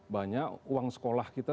banyak uang sekolah kita